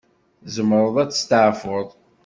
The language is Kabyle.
Tzemreḍ ad testeɛfuḍ.